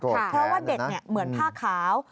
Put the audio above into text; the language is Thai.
เพราะว่าเด็กเหมือนผ้าขาว